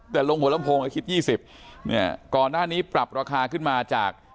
แต่ลงหัวลำโพงก็คิดยี่สิบเนี่ยก่อนหน้านี้ปรับราคาขึ้นมาจาก